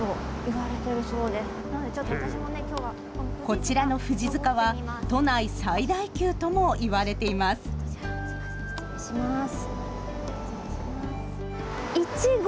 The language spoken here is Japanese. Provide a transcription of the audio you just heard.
こちらの富士塚は都内最大級とも言われています。